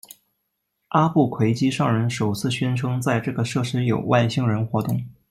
阿布奎基商人首次宣称在这个设施有外星人活动。